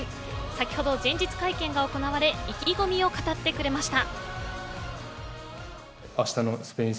先ほど前日会見が行われ意気込みを語ってくれました。